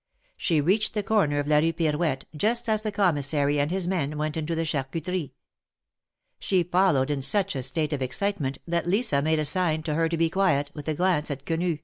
She reached the corner of la Rue Pirouette just as the Commissary and his men went into the charcuterie. She followed in such a state of excitement that Lisa made a sign to her to be quiet, with a glance at Quenu.